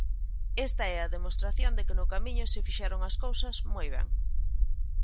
Esta é a demostración de que no Camiño se fixeron as cousas moi ben.